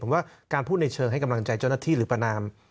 ผมว่าการพูดในเชิงให้กำลังใจเจ้าหน้าที่หรือประนาม